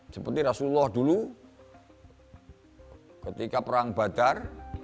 seperti rasulullah dulu ketika perang badar